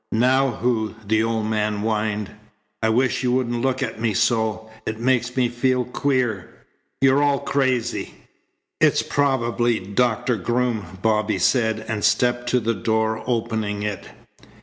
"Now who?" the old man whined. "I wish you wouldn't look at me so. It makes me feel queer. You're all crazy." "It's probably Doctor Groom," Bobby said, and stepped to the door, opening it.